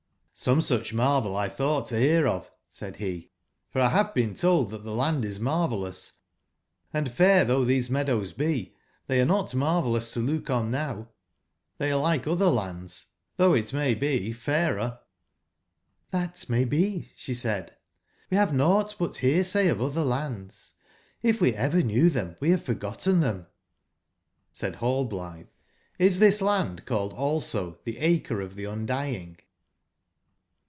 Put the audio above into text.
"Some sucb marvel X tbougbt to bear of/' said be; "fori bave been told tbat tbe land is mar vellous ; and fair tbougb tbese meadows be, tbey are not marvellous to looh on now: tbey are like otber lands, tbougb it may be, fairer "jj^"tlbat may be," sbe said; "we bave nougbt but bearsay of otber lands. If we ever knew tbem we bave forgotten tbem"j!^Said Hallblitbe, "Is tbis land called also tbeHcre of tbe Qndying?"